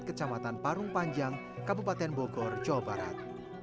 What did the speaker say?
kecamatan parung panjang kabupaten bogor jawa barat